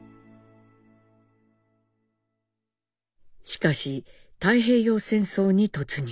しかし太平洋戦争に突入。